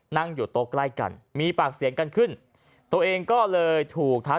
นั่งอยู่โต๊ะใกล้กันมีปากเสียงกันขึ้นตัวเองก็เลยถูกทัก